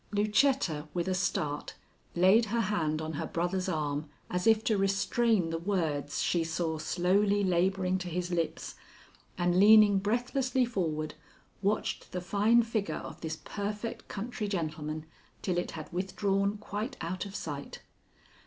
Lucetta, with a start, laid her hand on her brother's arm as if to restrain the words she saw slowly laboring to his lips, and leaning breathlessly forward, watched the fine figure of this perfect country gentleman till it had withdrawn quite out of sight.